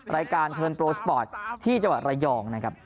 รายการเทิร์นโปรสปอร์ตที่เจาะระยองนะครับ